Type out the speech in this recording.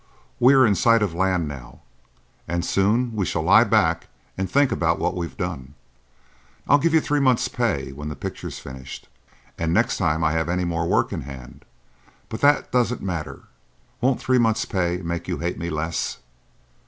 We are in sight of land now, and soon we shall lie back and think about what we've done. I'll give you three months' pay when the picture's finished, and next time I have any more work in hand—but that doesn't matter. Won't three months' pay make you hate me less?"